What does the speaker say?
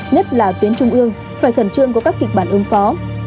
nhất là tuyến trung ương phải khẩn trương có các kịch bản ứng phó